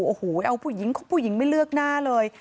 โอ้โหเอาผู้หญิงผู้หญิงไม่เลือกหน้าเลย